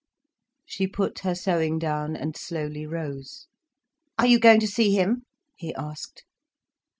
She put her sewing down, and slowly rose. "Are you going to see him?" he asked.